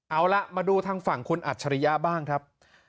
เอาล่ะมาดูทางฝั่งคุณอัจฉริยะบ้างครับ